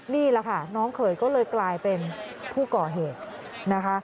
นี่แหละค่ะน้องเขยก็เลยกลายเป็นผู้ก่อเหตุนะคะ